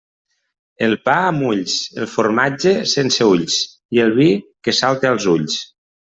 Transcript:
El pa, amb ulls; el formatge, sense ulls, i el vi, que salte als ulls.